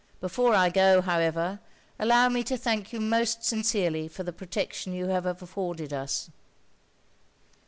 Before I go, however, allow me to thank you most sincerely for the protection you have afforded us.'